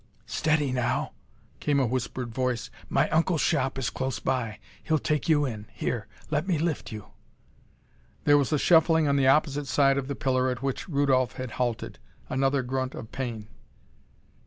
"Steady now," came a whispered voice. "My uncle's shop is close by. He'll take you in. Here let me lift you." There was a shuffling on the opposite side of the pillar at which Rudolph had halted; another grunt of pain.